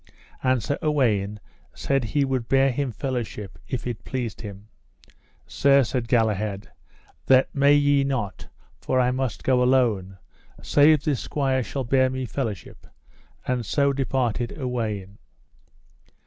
And Sir Uwaine said he would bear him fellowship if it pleased him. Sir, said Galahad, that may ye not, for I must go alone, save this squire shall bear me fellowship: and so departed Uwaine.